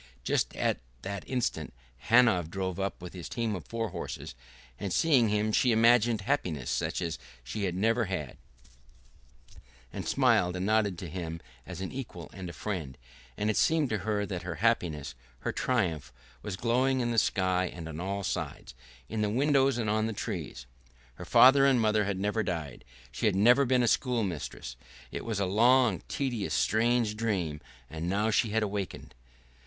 Just at that instant Hanov drove up with his team of four horses, and seeing him she imagined happiness such as she had never had, and smiled and nodded to him as an equal and a friend, and it seemed to her that her happiness, her triumph, was glowing in the sky and on all sides, in the windows and on the trees. Her father and mother had never died, she had never been a schoolmistress, it was a long, tedious, strange dream, and now she had awakened....